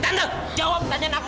tante jawab pertanyaan aku